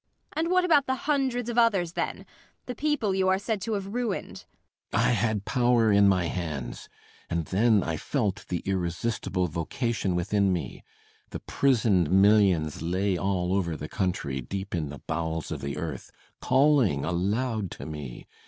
MRS. BORKMAN. And what about the hundreds of others, then the people you are said to have ruined? BORKMAN. [More vehemently.] I had power in my hands! And then I felt the irresistible vocation within me! The prisoned millions lay all over the country, deep in the bowels of the earth, calling aloud to me!